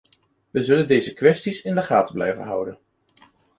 We zullen deze kwesties in de gaten blijven houden.